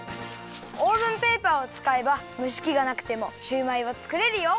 オーブンペーパーをつかえばむしきがなくてもシューマイはつくれるよ！